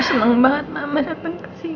senang banget mama datang kesini